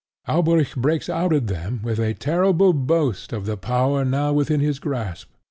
Alberic breaks out at them with a terrible boast of the power now within his grasp.